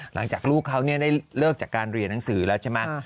หลังจากลูกเขาได้เลิกจากการเรียนหนังสือแล้วใช่ไหม